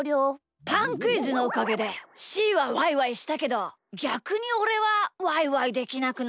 パンクイズのおかげでしーはワイワイしたけどぎゃくにおれはワイワイできなくなっちゃいました！